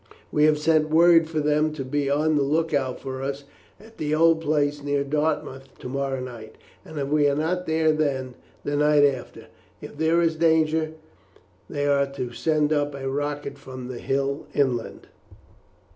We have sent word for them to be on the look out for us at the old place near Dartmouth to morrow night, and if we are not there then, the night after; if there is danger, they are to send up a rocket from the hill inland."